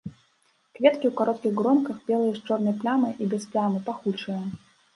Кветкі ў кароткіх гронках, белыя з чорнай плямай і без плямы, пахучыя.